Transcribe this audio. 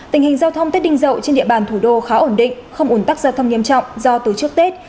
tình hình giao thông tết đinh dậu trên địa bàn thủ đô khá ổn định không ủn tắc giao thông nghiêm trọng do từ trước tết